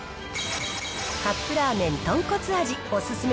カップラーメン豚骨味お勧め